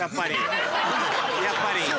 やっぱり。